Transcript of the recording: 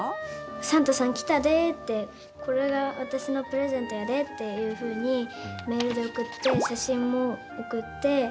サンタさん来たでってこれが私のプレゼントやでっていうふうにメールで送って写真も送って。